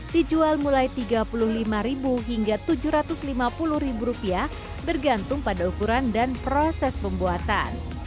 dijual mulai rp tiga puluh lima hingga rp tujuh ratus lima puluh bergantung pada ukuran dan proses pembuatan